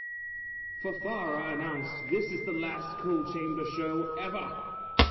Fafara announced This is the last Coal Chamber show ever!